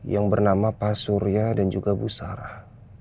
yang bernama pak surya dan juga bu sarah